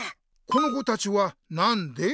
この子たちはなんで？